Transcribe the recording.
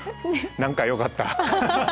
何かよかった。